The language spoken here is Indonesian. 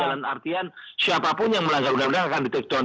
dalam artian siapapun yang melanggar undang undang akan di take down